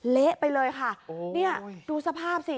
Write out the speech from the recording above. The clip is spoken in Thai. เละไปเลยดูสภาพสิ